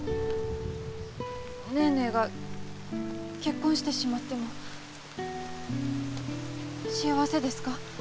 ネーネーが結婚してしまっても幸せですか？